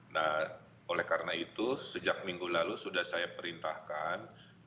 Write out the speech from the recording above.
nah oleh karena itu sejak minggu lalu sudah saya perintahkan